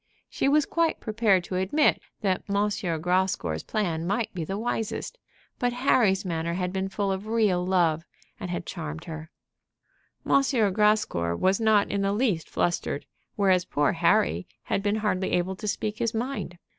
She was quite prepared to admit that M. Grascour's plan might be the wisest; but Harry's manner had been full of real love, and had charmed her. M. Grascour was not in the least flustered, whereas poor Harry had been hardly able to speak his mind.